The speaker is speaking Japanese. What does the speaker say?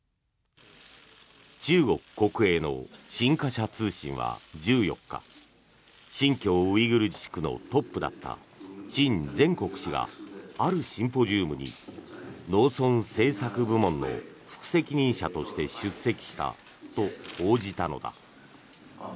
中国国営の新華社通信は１４日新疆ウイグル自治区のトップだったチン・ゼンコク氏があるシンポジウムに農村政策部門の副責任者として出席したと報じたのだ。